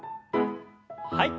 はい。